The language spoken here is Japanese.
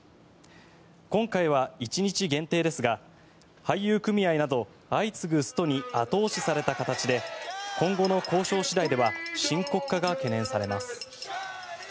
今回は１日限定ですが俳優組合など相次ぐストに後押しされた形で今後の交渉次第では深刻化が懸念されます。